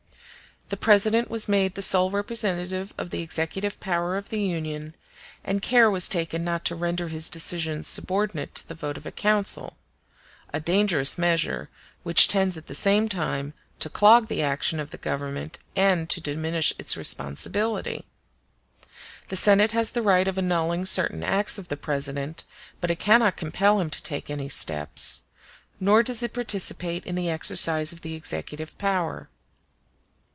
The President was made the sole representative of the executive power of the Union, and care was taken not to render his decisions subordinate to the vote of a council—a dangerous measure, which tends at the same time to clog the action of the Government and to diminish its responsibility. The Senate has the right of annulling g certain acts of the President; but it cannot compel him to take any steps, nor does it participate in the exercise of the executive power.